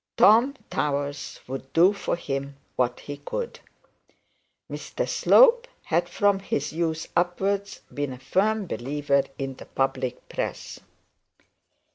Tom Towers would do for him what he could. Mr Slope had from his youth upwards been a firm believer in the public press.